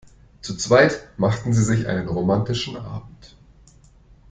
Zu zweit machten sie sich einen romantischen Abend.